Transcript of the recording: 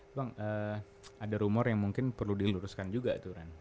bang ada rumor yang mungkin perlu diluruskan juga itu